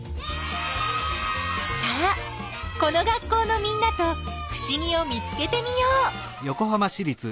さあこの学校のみんなとふしぎを見つけてみよう！